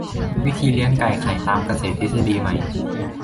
วิธีเลี้ยงไก่ไข่ตามเกษตรทฤษฎีใหม่